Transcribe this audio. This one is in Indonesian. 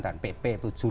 dan pp tujuh puluh delapan